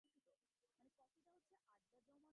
ভবিষ্যৎ sheriff, Nick good.